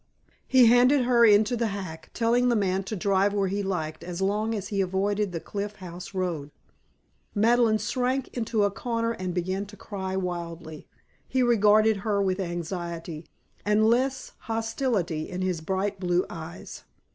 He handed her into the hack, telling the man to drive where he liked as long as he avoided the Cliff House Road. Madeleine shrank into a corner and began to cry wildly. He regarded her with anxiety, and less hostility in his bright blue eyes.